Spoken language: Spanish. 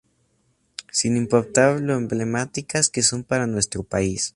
Sin importar lo emblemáticas que son para nuestro país.